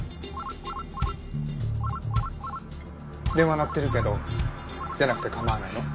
電話鳴ってるけど出なくて構わないの？